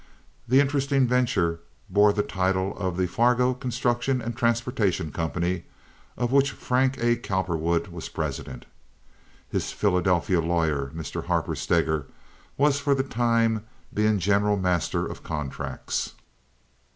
This interesting venture bore the title of the Fargo Construction and Transportation Company, of which Frank A. Cowperwood was president. His Philadelphia lawyer, Mr. Harper Steger, was for the time being general master of contracts.